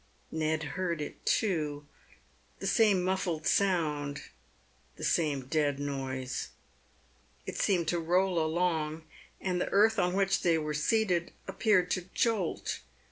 Ned heard it too. The same muffled sound — the same dead noise. It seemed to roll along, and the earth on which they were seated ap peared to jolt.